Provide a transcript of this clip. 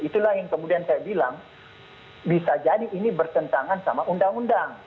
itulah yang kemudian saya bilang bisa jadi ini bertentangan sama undang undang